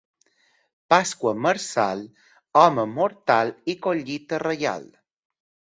Pasqua marçal, home mortal i collita reial.